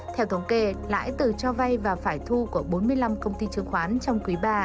theo thống kê lãi từ cho vay và phải thu của bốn mươi năm công ty chứng khoán trong quý ba